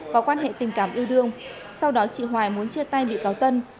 có quan hệ tình cảm yêu đương sau đó chị hoài muốn chia tay bị cáo tân